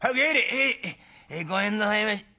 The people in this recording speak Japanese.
「へい。ごめんなさいまし。